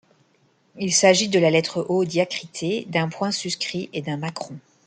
Il s'agit de la lettre O diacritée d’un point suscrit et d’un macron.